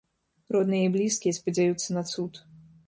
Родныя і блізкія спадзяюцца на цуд.